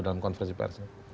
dalam konversi pers